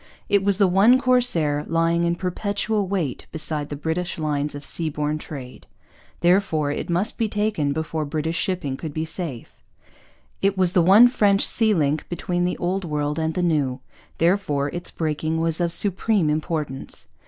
It was the one corsair lying in perpetual wait beside the British lines of seaborne trade; therefore it must be taken before British shipping could be safe. It was the one French sea link between the Old World and the New; therefore its breaking was of supreme importance.